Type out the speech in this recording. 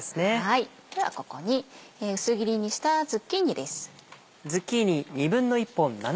ここに薄切りにしたズッキーニです。